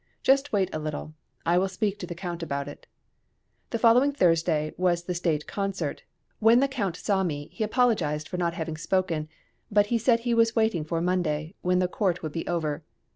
Just wait a little; I will speak to the Count about it." The following Thursday was the state concert; when the Count saw me he apologised for not having spoken, but said he was waiting for Monday, when the Court would be over.